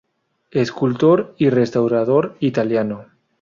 Escultor y restaurador italiano.